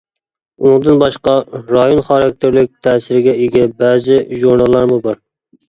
ئۇنىڭدىن باشقا، رايون خاراكتېرلىك تەسىرگە ئىگە بەزى ژۇرناللارمۇ بار.